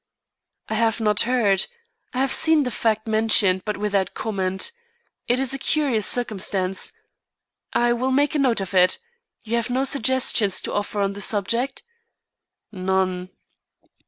"I have not heard. I have seen the fact mentioned, but without comment. It is a curious circumstance. I will make a note of it. You have no suggestions to offer on the subject?" "None."